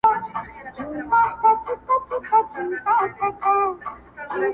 o تر خيښ، ځان را پېش!